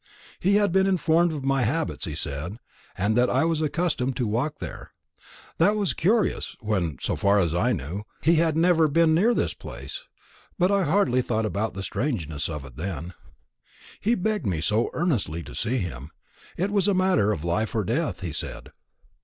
He had been informed of my habits, he said, and that I was accustomed to walk there. That was curious, when, so far as I knew, he had never been near this place; but I hardly thought about the strangeness of it then. He begged me so earnestly to see him; it was a matter of life or death, he said.